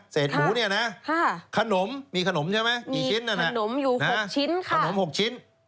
เศษหมูนี่นะขนมมีขนมใช่ไหมมีขนมอยู่๖ชิ้น